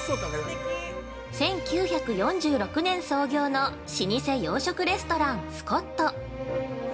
◆１９４６年創業の老舗洋食レストラン「スコット」。